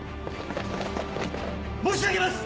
申し上げます！